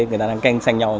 người ta đang khen sang nhau